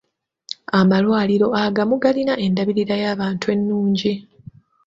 Amalwaliro agamu galina endabirira y'abantu ennungi.